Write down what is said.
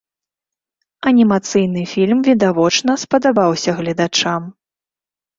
Анімацыйны фільм відавочна спадабаўся гледачам.